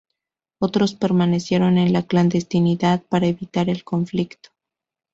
Otros permanecieron en la clandestinidad para evitar el conflicto.